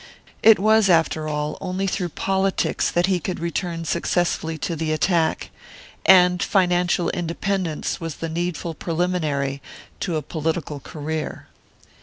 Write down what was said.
It was, after all, only through politics that he could return successfully to the attack; and financial independence was the needful preliminary to a political career.